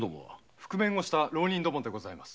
覆面をした浪人どもでございます。